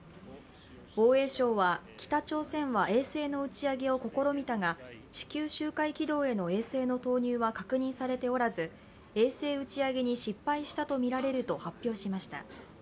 防衛省は北朝鮮は衛星の打ち上げを試みたが地球周回軌道への衛星の投入は確認されておらず衛星打ち上げに失敗したとみられると発表しました。